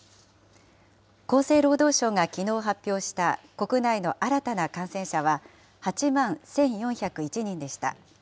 厚生労働省がきのう発表した国内の新たな感染者は８万１４０１人でした。